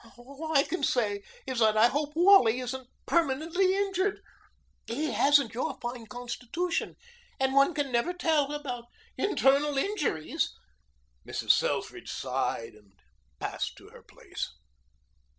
All I can say is that I hope Wally isn't permanently injured. He hasn't your fine constitution, and one never can tell about internal injuries." Mrs. Selfridge sighed and passed to her place.